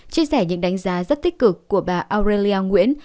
chia sẻ những đánh giá rất tích cực của bà aurea nguyễn